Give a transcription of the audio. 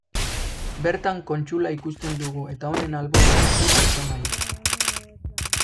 Bertan kontsula ikusten dugu eta honen alboetan bi pertsonai.